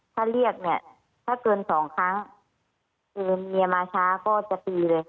ถ้าเรียกเนี่ยถ้าเกินสองครั้งคือเมียมาช้าก็จะตีเลย